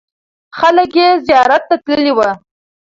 خلک یې زیارت ته تللې وو.